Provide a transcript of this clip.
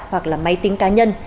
hoặc là máy tính cá nhân